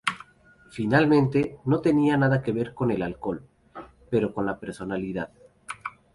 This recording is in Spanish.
Finalmente, no tenía nada que ver con el alcohol, pero con la personalidad.